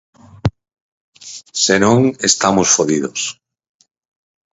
Se non, estamos fodidos.